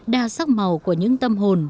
đa sắc màu của những tâm hồn